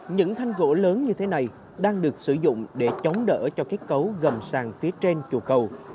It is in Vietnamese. những thanh gỗ lớn như thế này đang được sử dụng để chống đỡ cho kết cấu gầm sàng phía trên chùa cầu